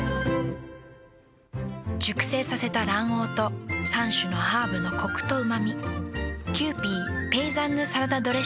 熟成させた卵黄と３種のハーブのコクとうま味。